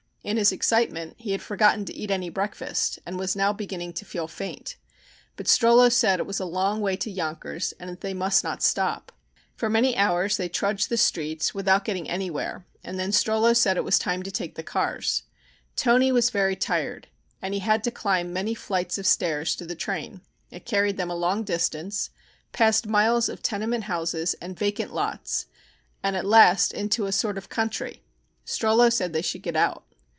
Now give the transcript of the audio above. In his excitement he had forgotten to eat any breakfast and was now beginning to feel faint. But Strollo said it was a long way to Yonkers and that they must not stop. For many hours they trudged the streets without getting anywhere and then Strollo said it was time to take the cars. Toni was very tired, and he had to climb many flights of stairs to the train. It carried them a long distance, past miles of tenement houses and vacant lots, and at last into a sort of country. Strollo said they should get out.